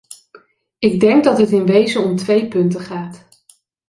Ik denk dat het in wezen om twee punten gaat.